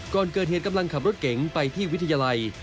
ก่อนเกิดเหตุกำลังขับรถเก๋งไปที่วิทยาลัย